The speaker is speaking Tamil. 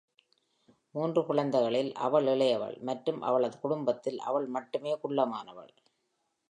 மூன்று குழந்தைகளில் அவள் இளையவள் மற்றும் அவளது குடும்பத்தில் அவள் மட்டுமே குள்ளமானவள்.